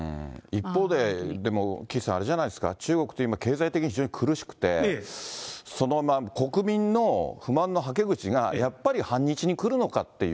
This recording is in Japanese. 一方で、でも、岸さん、あれじゃないですか、中国って今、経済的に非常に苦しくて、その国民の不満のはけ口が、やっぱり反日に来るのかっていう。